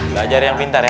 belajar yang pintar ya